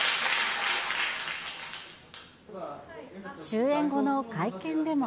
終演後の会見でも。